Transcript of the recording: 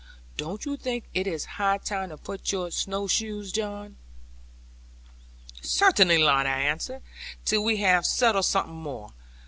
Don't you think it is high time to put on your snow shoes, John?' 'Certainly not,' I answered, 'till we have settled something more.